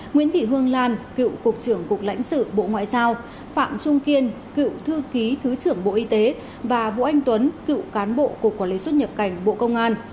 nguyễn thị hương lan cựu cục trưởng cục lãnh sự bộ ngoại giao phạm trung kiên cựu thư ký thứ trưởng bộ y tế và vũ anh tuấn cựu cán bộ cục quản lý xuất nhập cảnh bộ công an